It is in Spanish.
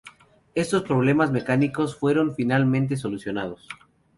Estos problemas mecánicos fueron finalmente solucionados.